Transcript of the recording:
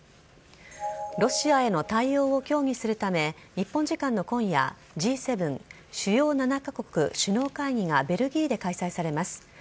ロシアへの対応を協議するため日本時間の今夜Ｇ７＝主要７カ国首脳会議がベルギーで開催されます。